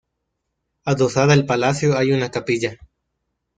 Adosada al palacio hay una capilla.